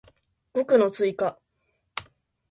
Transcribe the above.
語句の追加